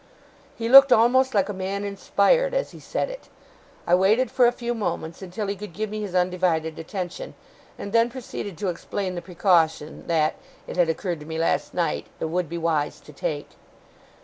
He looked almost like a man inspired, as he said it. I waited for a few moments, until he could give me his undivided attention; and then proceeded to explain the precaution, that, it had occurred to me last night, it would be wise to take.